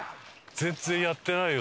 全然やってないよ。